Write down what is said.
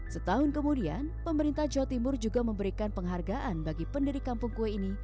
setahun kemudian pemerintah jawa timur juga memberikan penghargaan bagi pendiri kampung kue ini